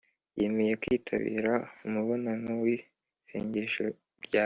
yemeye kwitabira umubonano w'isengesho ryari